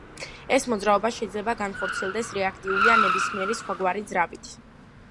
ეს მოძრაობა შეიძლება განხორციელდეს რეაქტიული, ან ნებისმიერი სხვაგვარი ძრავით.